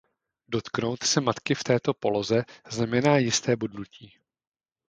Dotknout se matky v této poloze znamená jisté bodnutí.